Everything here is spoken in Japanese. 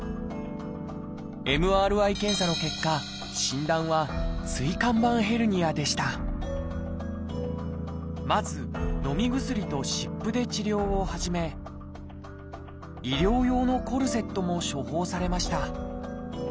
ＭＲＩ検査の結果診断はまずのみ薬と湿布で治療を始め医療用のコルセットも処方されました。